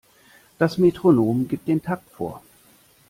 Das Metronom gibt den Takt vor.